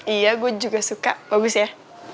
iya gue juga suka bagus ya